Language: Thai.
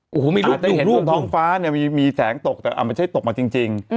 โอ้โหมีรูปท้องฟ้าเนี่ยมีแสงตกแต่มันไม่ใช่ตกมาจริง